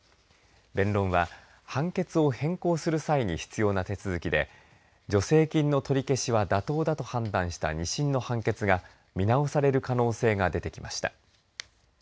弁論は判決を変更する際に必要な手続きで助成金の取り消しは妥当だと判断した２審の判決が見直される可能性が出てきました。